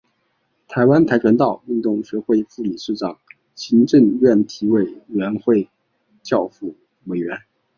台湾跆拳道运动学会副理事长行政院体育委员会训辅委员